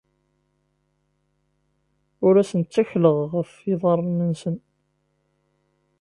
Ur asen-ttakleɣ ɣef yiḍarren-nsen.